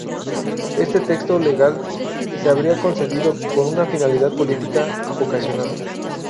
Este texto legal se habría concedido con una finalidad política ocasional.